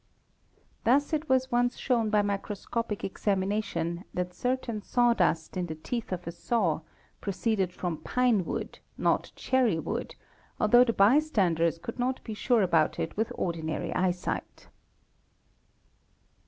Thus it was once shown by microscopic examination that certain sawdust in the teeth of a saw proceeded from pine wood not cherry wood, although _ the bystanders could not be sure about it with ordinary eyesight'.